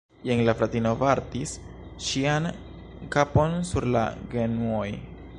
Jen la fratino vartis ŝian kapon sur la genuoj.